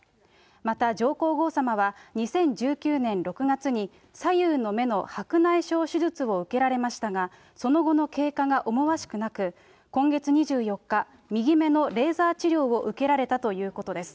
また、上皇后さまは２０１９年６月に、左右の目の白内障手術を受けられましたが、その後の経過がおもわしくなく、今月２４日、右目のレーザー治療を受けられたということです。